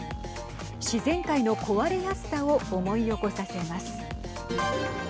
自然界の壊れやすさを思い起こさせます。